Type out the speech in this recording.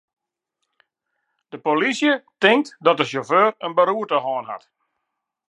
De polysje tinkt dat de sjauffeur in beroerte hân hat.